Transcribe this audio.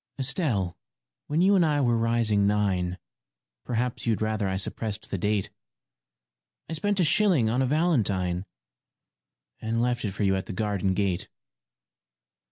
] ESTELLE, when you and I were rising nine Perhaps you'd rather I suppressed the date I spent a shilling on a valentine And left it for you at the garden gate.